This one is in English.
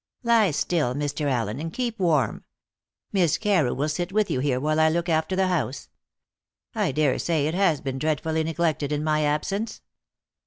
"Lie still, Mr. Allen, and keep warm. Miss Carew will sit with you here while I look after the house. I dare say it has been dreadfully neglected in my absence."